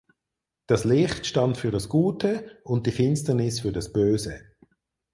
Das Licht stand für das Gute und die Finsternis für das Böse.